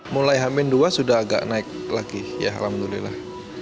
mulai hamin dua sudah agak naik lagi ya alhamdulillah